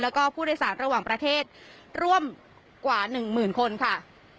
แล้วก็ผู้โดยสารระหว่างประเทศร่วมกว่า๑หมื่นคนค่ะ